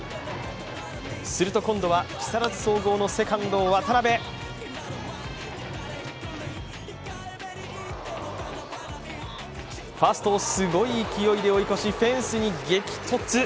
すると、今度は木更津総合のセカンド・渡辺。ファーストをすごい勢いで追い越し、フェンスに激突。